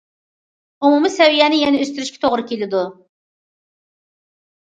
ئومۇمىي سەۋىيەسىنى يەنە ئۆستۈرۈشكە توغرا كېلىدۇ.